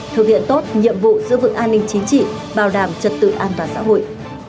thực hiện tốt nhiệm vụ giữ vững an ninh chính trị bảo đảm trật tự an toàn xã hội